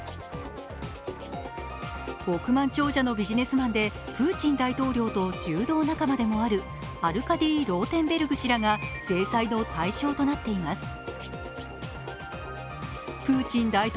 億万長者のビジネスマンでプーチン大統領と柔道仲間であるアルカディ・ローテンベルグ氏らが制裁の対象となっています。